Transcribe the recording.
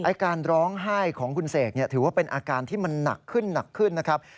การร้องไห้ของคุณเสกถือว่าเป็นอาการที่มันหนักขึ้นหนักขึ้นนะครับ